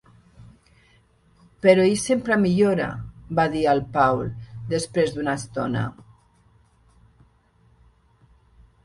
"Però ell sempre millora", va dir el Paul després d'una estona.